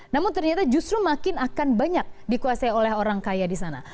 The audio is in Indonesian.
namun ternyata justru makin akan banyak dikuasai oleh orang kaya di sana